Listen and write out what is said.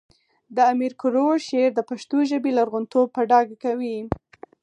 د امیر کروړ شعر د پښتو ژبې لرغونتوب په ډاګه کوي